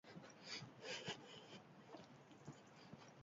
Kaliforniako penintsularen hegoaldean dago, Kaliforniako golkoaren ertzean.